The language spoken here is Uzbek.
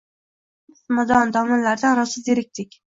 «Falon-pismadon domlalardan rosa zerikdik.